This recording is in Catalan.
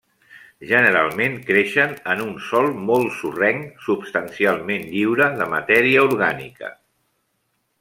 Generalment creixen en un sòl molt sorrenc, substancialment lliure de matèria orgànica.